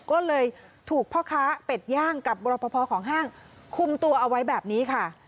ก็เลยถูกพ่อค้าเป็ดย่างกับบรปภของห้างคุมตัวเอาไว้แบบนี้ค่ะ